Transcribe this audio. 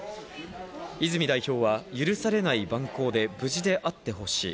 泉代表は許されない蛮行で、無事であってほしい。